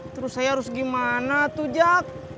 terus saya harus gimana tuh jak